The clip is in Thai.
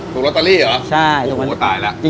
ถูกลอตเตอรี่เหรอ